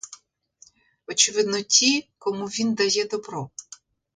Очевидно ті, кому він дає добро.